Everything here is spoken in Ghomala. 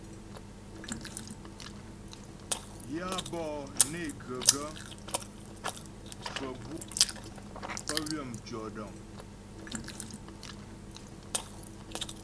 Yǎ bɔ'ɔ né ghə gaə́ faə̀ gu' pə́ ywə̂ mtʉɔ̂dəŋ.